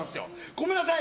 ごめんなさい